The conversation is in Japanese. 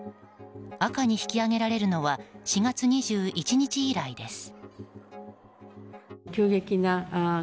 赤に引き上げられるのは４月２１日以来です。